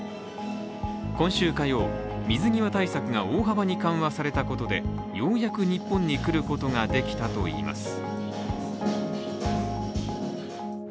今週火曜、水際対策が大幅に緩和されたことでようやく日本に来ることができたといいます。